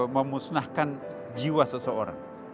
memusnahkan jiwa seseorang